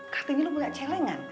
katanya lo punya celengan